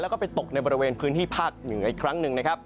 แล้วก็ไปตกในบริเวณพื้นที่ภาคเหนืออีกครั้งหนึ่งนะครับ